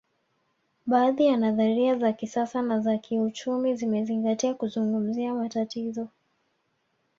Baadhi ya nadharia za kisasa za kiuchumi zimezingatia kuzungumzia matatizo